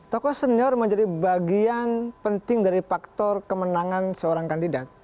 tokoh senior menjadi bagian penting dari faktor kemenangan seorang kandidat